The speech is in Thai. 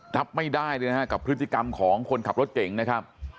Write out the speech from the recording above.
รับไม่ได้เลยนะครับกับพฤติกรรมของคนขับรถเก่งนะครับ